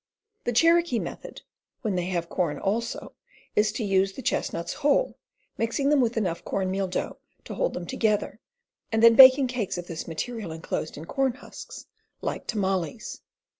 The Cherokee method, when they have corn also, is to use the chestnuts whole, mixing them with enough corn meal dough to hold them together, and then baking cakes of this material enclosed in corn husks, like tamales.